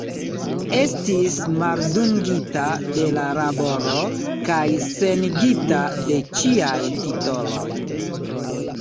Estis maldungita de la laboro kaj senigita de ĉiaj titoloj.